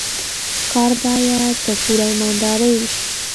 کار باید په پوره ایماندارۍ وشي.